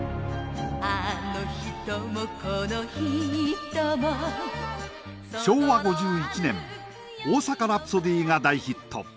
「あの人もこの人も」昭和５１年「大阪ラプソディー」が大ヒット。